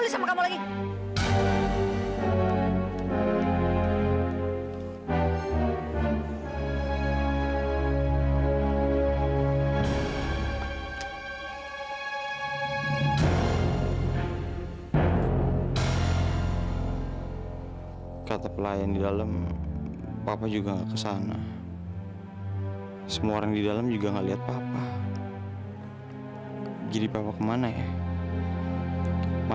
sampai jumpa di video selanjutnya